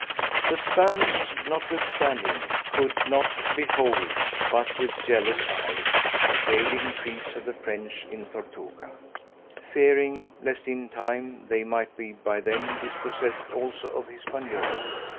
The Spaniards, notwithstanding, could not behold, but with jealous eyes, the daily increase of the French in Tortuga, fearing lest, in time, they might by them be dispossessed also of Hispaniola.